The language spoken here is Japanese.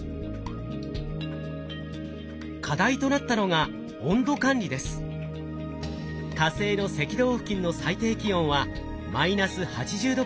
課題となったのが火星の赤道付近の最低気温は−８０℃くらいまで下がります。